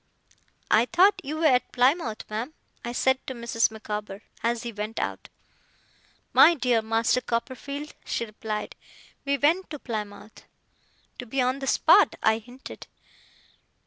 'I thought you were at Plymouth, ma'am,' I said to Mrs. Micawber, as he went out. 'My dear Master Copperfield,' she replied, 'we went to Plymouth.' 'To be on the spot,' I hinted.